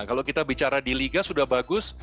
kalau kita bicara di liga sudah bagus